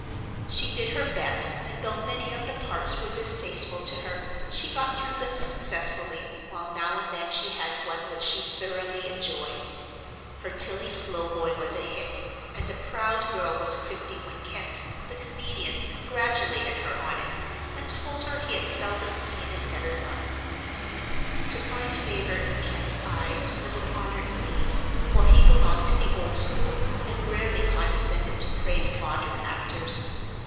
She did her best, and though many of the parts were distasteful to her she got through them successfully, while now and then she had one which she thoroughly enjoyed. Her Tilly Slowboy was a hit, and a proud girl was Christie when Kent, the comedian, congratulated her on it, and told her he had seldom seen it better done. To find favor in Kent's eyes was an honor indeed, for he belonged to the old school, and rarely condescended to praise modern actors.